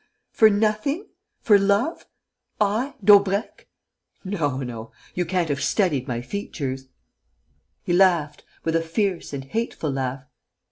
For nothing? For love? I, Daubrecq?... No, no, you can't have studied my features!" He laughed, with a fierce and hateful laugh.